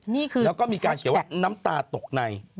นี่คือแล้วก็มีการเขียนว่าน้ำตาตกใน